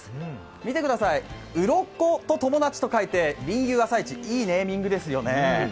見てください、うろこと友達と書いて鱗友朝市、いいネーミングですよね。